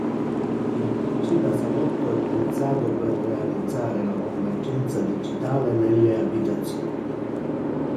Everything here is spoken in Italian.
Il pc da salotto è pensato per realizzare la convergenza digitale nelle abitazioni.